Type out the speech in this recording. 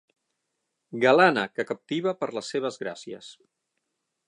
Galana, que captiva per les seves gràcies.